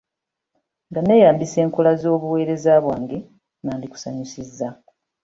Nga neeyambisizza enkola z'obuweereza bwange, nandikusanyusizza.